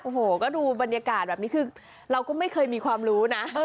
โอ้โหก็ดูบรรยากาศแบบนี้คือเราก็ไม่เคยมีความรู้นะ